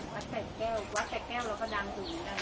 วัดแต่แก้ววัดแต่แก้วเราก็ดำดูได้